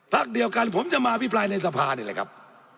เดียวกันผมจะมาอภิปรายในสภานี่แหละครับ